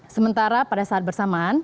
sementara pada saat bersamaan